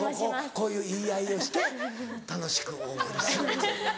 こういう言い合いをして楽しくお送りする。